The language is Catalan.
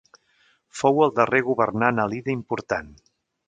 Fou el darrer governant alida important.